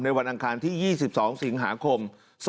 วันอังคารที่๒๒สิงหาคม๒๕๖